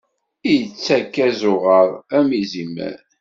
Ittak azuɣer am izimer.